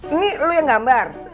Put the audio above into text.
ini lu yang gambar